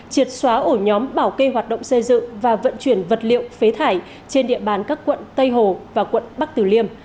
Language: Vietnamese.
triệt xóa ổ nhóm bảo kê hoạt động xây dựng và vận chuyển vật liệu phế thải trên địa bàn các quận tây hồ và quận bắc tử liêm